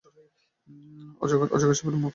অজগর সাপের মুখের মধ্যে ঢুকতে চলেছে, একে কে বাঁচাবে?